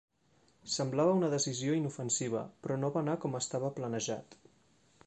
Semblava una decisió inofensiva, però no va anar com estava planejat.